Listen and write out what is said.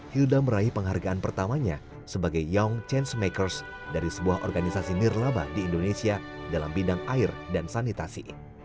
hilda meraih penghargaan pertamanya sebagai young change makers dari sebuah organisasi nirlaba di indonesia dalam bidang air dan sanitasi